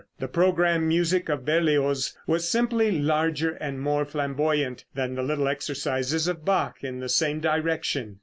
The programme music of Berlioz was simply larger and more flamboyant than the little exercises of Bach in the same direction.